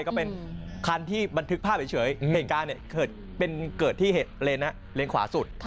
ก็เป็นคันที่บันทึกภาพเฉยเห็นการเนี่ยเป็นเกิดที่เหตุเลนอะเลนขวาสุด